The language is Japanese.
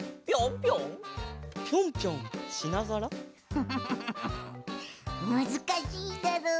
フフフフフフむずかしいだろう。